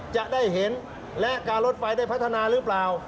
จะได้เห็นและการรถไฟได้พัฒนาหรือเปล่า